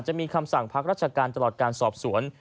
จะมีคำสั่งพักราชการตลอดการสอบสวน